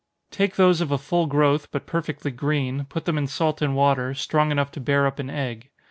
_ Take those of a full growth, but perfectly green, put them in salt and water, strong enough to bear up an egg.